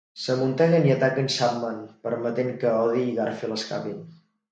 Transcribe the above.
S'amunteguen i ataquen Chapman, permetent que Odie i Garfield escapin.